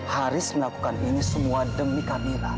haris melakukan ini semua demi camilan